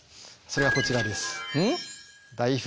それはこちらです。